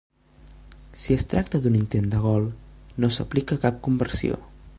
Si es tracta d'un intent de gol, no s'aplica cap conversió.